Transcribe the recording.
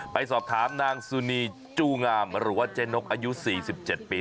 ไปสอบถามนางสุนีจูงามหรือว่าเจ๊นกอายุ๔๗ปี